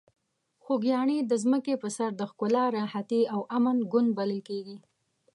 خوږیاڼي د ځمکې په سر د ښکلا، راحتي او امن ګوند بلل کیږي.